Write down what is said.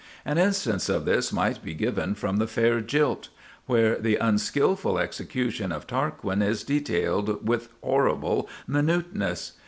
An instance of this might be given from "The Fair Jilt", where the unskilful execution of Tarquin is detailed with horrible minuteness.